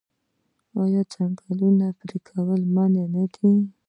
آیا د ځنګلونو پرې کول منع نه دي؟